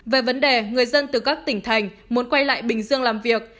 về vấn đề người dân từ các tỉnh thành muốn quay lại bình dương làm việc